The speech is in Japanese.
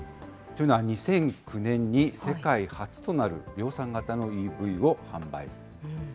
というのは２００９年に世界初となる、量産型のＥＶを販売。